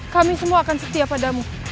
kami semua akan setia padamu